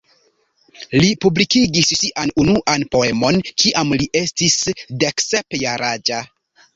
Li publikigis sian unuan poemon kiam li estis deksep jaraĝa.